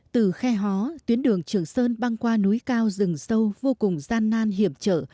từ khe hó tuyến đường trường sơn băng qua núi cao rừng sâu vô cùng gian nan hiểm trở